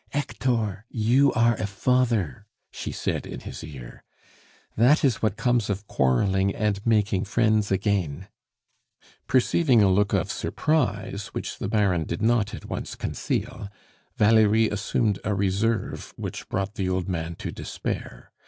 "Hector, you are a father!" she said in his ear. "That is what comes of quarreling and making friends again " Perceiving a look of surprise, which the Baron did not at once conceal, Valerie assumed a reserve which brought the old man to despair.